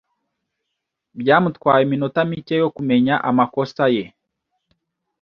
Byamutwaye iminota mike yo kumenya amakosa ye.